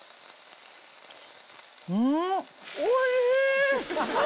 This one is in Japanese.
んおいしい！